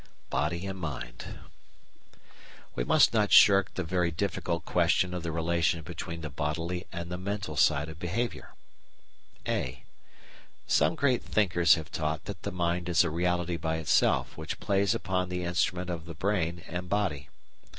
Body and Mind We must not shirk the very difficult question of the relation between the bodily and the mental side of behaviour. (a) Some great thinkers have taught that the mind is a reality by itself which plays upon the instrument of the brain and body.